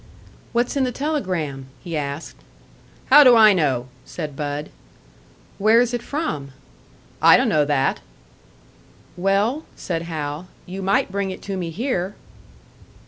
"What's in the telegram?" he asked. "How do I know?" said Bud. "Where is it from?" "I dunno that." "Well," said Hal, "you might bring it to me here."